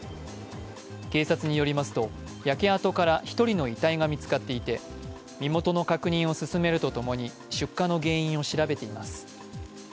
警察によりますと、焼け跡から１人の遺体が見つかっていて、身元の確認を進めるとともに、出火の原因を調べています。